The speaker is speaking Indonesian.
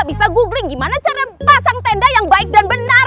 bisa googling gimana cara pasang tenda yang baik dan benar